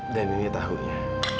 dan ini tahu nya